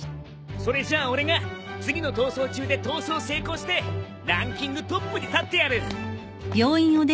それじゃあ俺が次の逃走中で逃走成功してランキングトップに立ってやる！